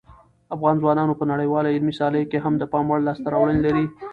افغان ځوانان په نړیوالو علمي سیالیو کې هم د پام وړ لاسته راوړنې لري.